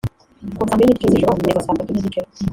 kuva saa mbili n’igice z’ijoro kugera saa tatu n’igice